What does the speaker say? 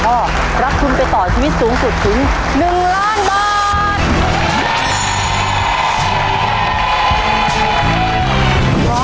ข้อรับทุนไปต่อชีวิตสูงสุดถึง๑ล้านบาท